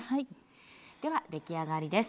では出来上がりです。